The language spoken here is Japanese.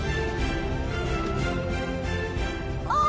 あっ。